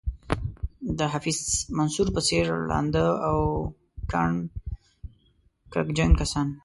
د حفیظ منصور په څېر ړانده او کڼ کرکجن کسان.